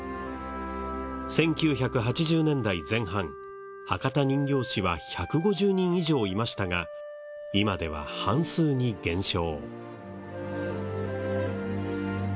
１９８０年代前半博多人形師は１５０人以上いましたが今では半数に減少。